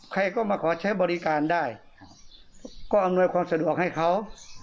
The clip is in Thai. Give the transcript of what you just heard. ใครก็มาขอใช้บริการได้ก็อำนวยความสะดวกให้เขา